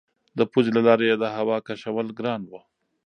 د پوزې له لارې یې د هوا کشول ګران وو.